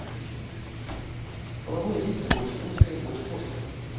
Ствалавое лісце больш вузкае і больш вострае.